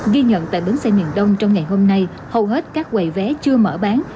ghi nhận tại bến xe miền đông trong ngày hôm nay hầu hết các quầy vé chưa mở bán